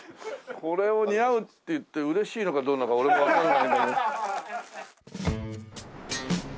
これを似合うって言って嬉しいのかどうなのか俺もわからないんだけど。